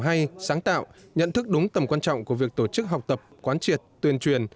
hay sáng tạo nhận thức đúng tầm quan trọng của việc tổ chức học tập quán triệt tuyên truyền